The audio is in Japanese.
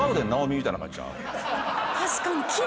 確かに。